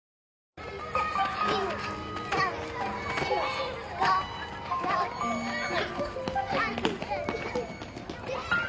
２３４５６７８。